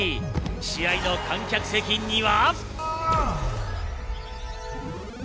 試合の観客席には。